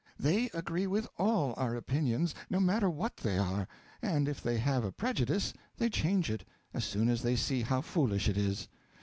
They agree with all our opinions, no matter what they are; and if they have a prejudice, they change it, as soon as they see how foolish it is.